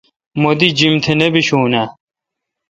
مہ دی جیم تہ نہ بیشون آں؟